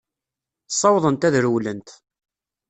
Ssawḍent ad rewlent.